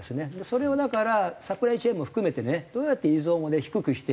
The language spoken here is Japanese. それをだからサプライチェーンも含めてねどうやって依存を低くしていくか。